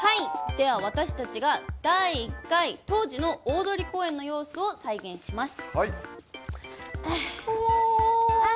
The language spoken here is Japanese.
では私たちが第１回当時の大通公園の様子を再現します。